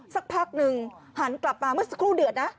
สักพักหนึ่งหันกลับมาเมื่อสักครู่เดือดนะ